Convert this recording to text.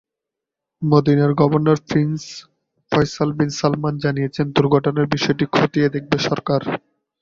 মদিনার governor prince Faisal bin Salman জানিয়েছেন, দুর্ঘটনার বিষয়টি খতিয়ে দেখবে সরকার।